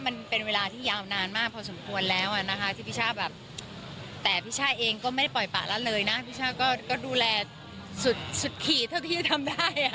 มันเป็นเวลาที่ยาวนานมากพอสมควรแล้วอ่ะนะคะที่พี่ช่าแบบแต่พี่ช่าเองก็ไม่ได้ปล่อยปะละเลยนะพี่ช่าก็ดูแลสุดขีดเท่าที่ทำได้